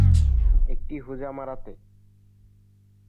একটি হোজামারাতে।